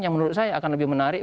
yang menurut saya akan lebih menarik